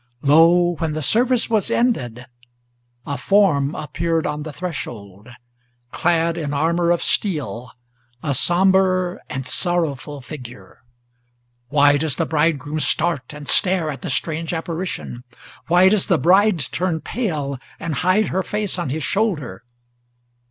Lo! when the service was ended, a form appeared on the threshold, Clad in armor of steel, a sombre and sorrowful figure! Why does the bridegroom start and stare at the strange apparition? Why does the bride turn pale, and hide her face on his shoulder?